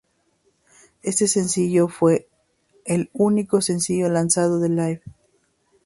Este sencillo fue el único sencillo lanzado de "Live!